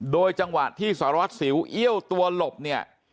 โดยจังหวะที่สารวัตรสิวเอี้ยวตัวหลบเนี่ย